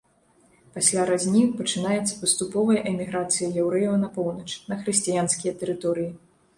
Пасля разні пачынаецца паступовая эміграцыя яўрэяў на поўнач, на хрысціянскія тэрыторыі.